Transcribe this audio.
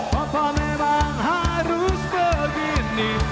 papa memang harus begini